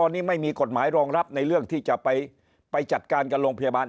นี่ไม่มีกฎหมายรองรับในเรื่องที่จะไปจัดการกับโรงพยาบาล